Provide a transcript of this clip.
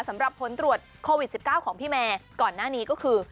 สำหรับผลตรวจโควิด๑๙ของพี่แมร์ก่อนหน้านี้ก็คือ